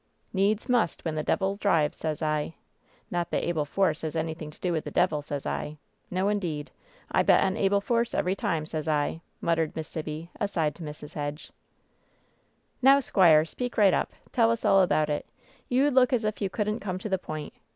" 'Needs must when the devil drives,' sez I. Not that Abel Force has anything to do with the devil, sez I. No, indeed. I bet on Abel Force every time, sez I," muttered Miss Sibby, aside to Mrs. Hedge. "Now, squire, speak right up. Tell us all about it. You look as if you couldn't come to the point.